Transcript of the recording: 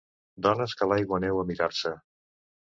Dones que a l'aigua aneu a mirar-se